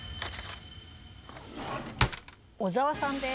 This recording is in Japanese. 小沢さんです。